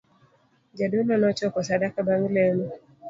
Jadolo nochoko sadaka bang' lemo